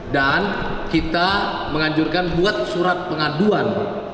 dan kita menganjurkan buat surat penganduan